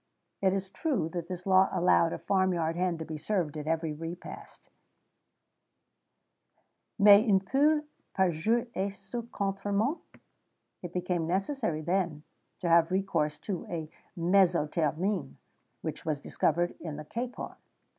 It is true that this law allowed a farm yard hen to be served at every repast[XVII 25] mais une poule par jour est ce contentement? It became necessary, then, to have recourse to a mezzo termine, which was discovered in the capon.